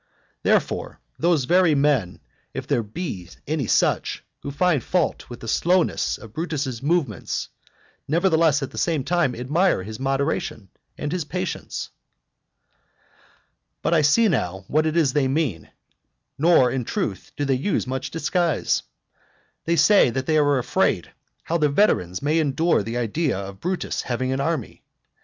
Therefore, those very men, if there be any such, who find fault with the slowness of Brutus's movements, nevertheless at the same time admire his moderation and his patience. But I see now what it is they mean: nor, in truth, do they use much disguise. They say that they are afraid how the veterans may endure the idea of Brutus having an army.